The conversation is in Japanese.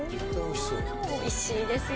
おいしいですよ。